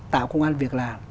tạo công an việc làm